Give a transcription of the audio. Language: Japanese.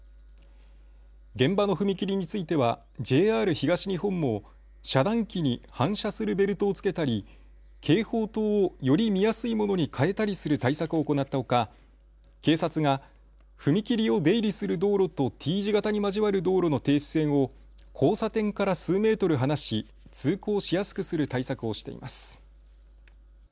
現場の踏切についてはＪＲ東日本も遮断機に反射するベルトをつけたり警報灯をより見やすいものに替えたりする対策を行ったほか警察が踏切を出入りする道路とＴ字形に交わる道路の停止線を交差点から数メートル離し通行しやすくする対策をしています。